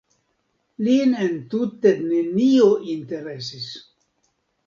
Lin entute nenio interesis.